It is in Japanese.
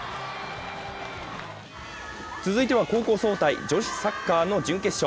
続いては高校総体女子サッカーの準決勝。